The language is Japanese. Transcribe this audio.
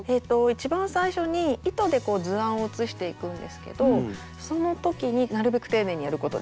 一番最初に糸で図案を写していくんですけどその時になるべく丁寧にやることです。